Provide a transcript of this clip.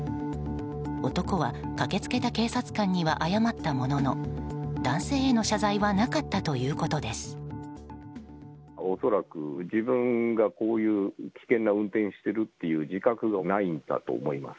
男は駆け付けた警察官には謝ったものの男性への謝罪はなかったということです。